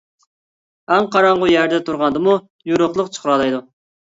ئەڭ قاراڭغۇ يەردە تۇرغاندىمۇ، يورۇقلۇق چىقىرالايدۇ.